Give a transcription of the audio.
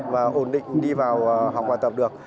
và ổn định đi vào học và tập được